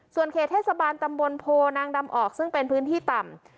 ส่วนเขตเทศบาลตำบลโพนางดำออกซึ่งเป็นพื้นที่ต่ำ